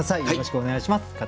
よろしくお願いします。